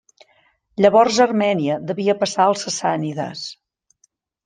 Llavors Armènia devia passar als sassànides.